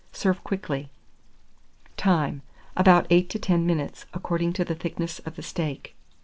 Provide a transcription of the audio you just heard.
Serve quickly. Time. About 8 to 10 minutes, according to the thickness of the steak.